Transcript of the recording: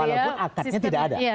walaupun akadnya tidak ada